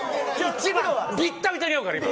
一番ビッタビタに合うから今。